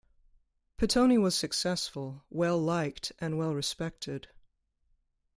Pittoni was successful, well liked and well respected.